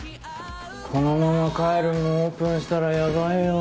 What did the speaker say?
このままＣａｅｌｕｍもオープンしたらヤバいよ。